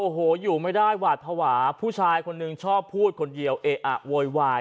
โอ้โหอยู่ไม่ได้หวาดภาวะผู้ชายคนหนึ่งชอบพูดคนเดียวเอะอะโวยวาย